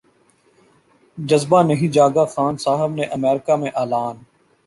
جذبہ نہیں جاگا خان صاحب نے امریکہ میں اعلان